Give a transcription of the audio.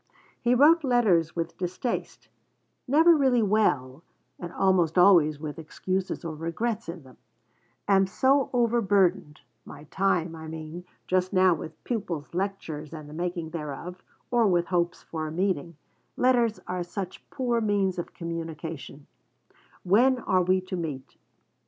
He wrote letters with distaste, never really well, and almost always with excuses or regrets in them: 'Am so over burdened (my time, I mean) just now with pupils, lectures, and the making thereof'; or, with hopes for a meeting: 'Letters are such poor means of communication: when are we to meet?'